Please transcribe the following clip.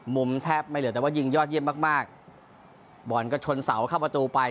มุมแทบไม่เหลือแต่ว่ายิงยอดเยี่ยมมากมากบอลก็ชนเสาเข้าประตูไป